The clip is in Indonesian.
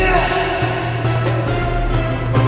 jangan lupa joko tingkir